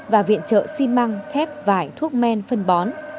và viện trợ xi măng thép vải thuốc men phân bón